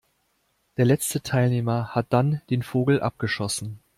Der letzte Teilnehmer hat dann den Vogel abgeschossen.